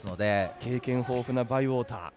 経験豊富なバイウォーター。